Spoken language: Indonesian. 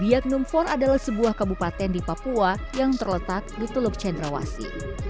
biak numfor adalah sebuah kabupaten di papua yang terletak di teluk cendrawasi